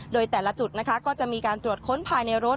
โดยแต่ละจุดนะคะก็จะมีการตรวจค้นภายในรถ